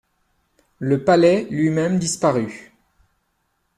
Le palais lui-même disparut.